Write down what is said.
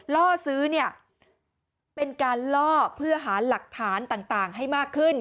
ล่อซื้อเนี่ยเป็นการล่อเพื่อหาหลักฐานต่างให้มากขึ้น